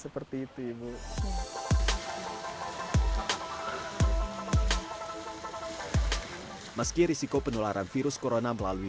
meski risiko penularan virus corona melalui media